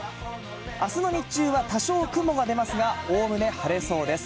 あすの日中は多少雲が出ますが、おおむね晴れそうです。